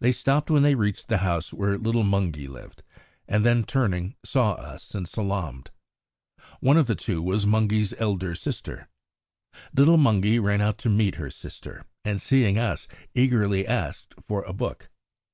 They stopped when they reached the house where little Mungie lived, and then, turning, saw us and salaamed. One of the two was Mungie's elder sister. Little Mungie ran out to meet her sister, and, seeing us, eagerly asked for a book.